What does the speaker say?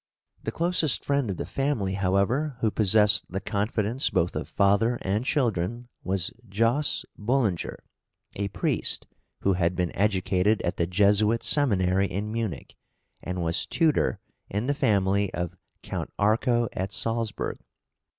The closest friend of the family, however, who possessed the confidence both of father and children, was Jos. Bullinger, a priest, who had been educated at the Jesuit seminary in Munich and was tutor in the family of Count Arco at Salzburg.